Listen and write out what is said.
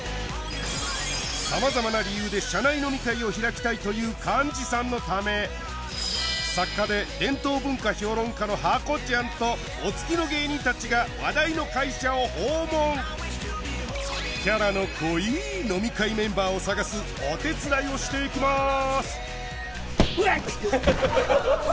様々な理由で社内飲み会を開きたいという幹事さんのため作家で伝統文化評論家のハコちゃんとお付きの芸人たちが話題の会社を訪問キャラの濃い飲み会メンバーを探すお手伝いをしていきます